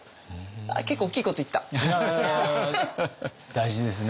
大事ですね。